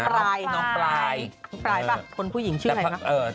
น้องปลายน้องปลายปลายป่ะคนผู้หญิงชื่อไหนครับ